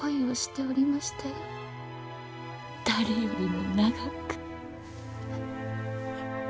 誰よりも長く。